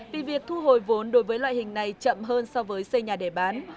vì việc thu hồi vốn đối với loại hình này chậm hơn so với xây nhà để bán